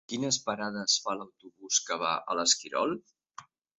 Quines parades fa l'autobús que va a l'Esquirol?